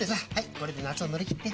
これで夏を乗り切って。